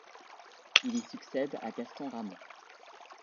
Il y succède à Gaston Ramon.